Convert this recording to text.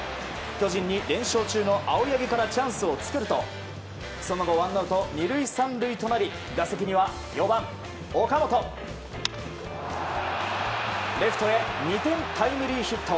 巨人に連勝中の青柳からチャンスを作るとその後ワンアウト２塁３塁となり打席には４番、岡本レフトへ２点タイムリーヒット。